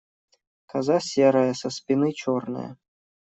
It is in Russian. Коза серая, со спины черная.